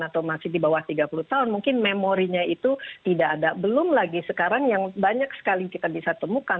atau masih di bawah tiga puluh tahun mungkin memorinya itu tidak ada belum lagi sekarang yang banyak sekali kita bisa temukan